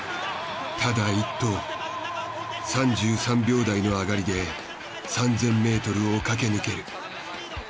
ただ１頭３３秒台の上がりで３，０００メートルを駆け抜ける。